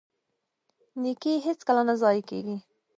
نیکي هیڅکله نه ضایع کیږي.